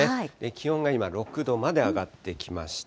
気温が今、６度まで上がってきました。